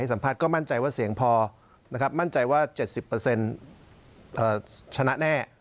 แล้วก็มั่งภาพความมั่งใจว่าเสียงพอมั่นใจว่า๗๐ชนะแน่